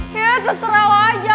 ya terserah lo aja